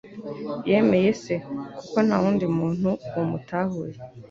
Yemeye se, kuko nta wundi muntu wamutahuye.